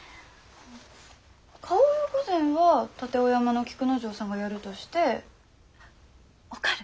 顔世御前は立女形の菊之丞さんがやるとしておかる？